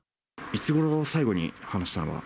いつごろ最後に話したのは。